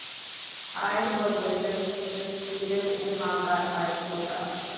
Hyde was later defeated in combat by the Cobra.